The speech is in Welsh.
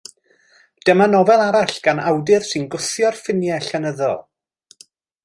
Dyma nofel arall gan awdur sy'n gwthio'r ffiniau llenyddol.